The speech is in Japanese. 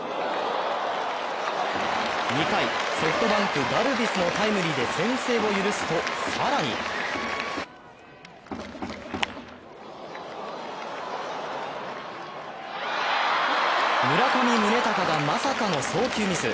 ２回、ソフトバンク・ガルビスのタイムリーで先制を許すと更に村上宗隆がまさかの送球ミス。